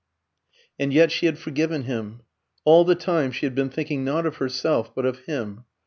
And yet she had forgiven him. All the time she had been thinking, not of herself, but of him.